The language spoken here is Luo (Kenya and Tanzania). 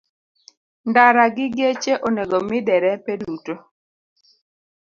Ndara gi geche onego mi derepe duto.